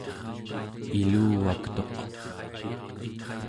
iluvaktuq